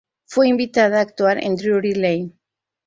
Fue invitada a actuar en Drury Lane.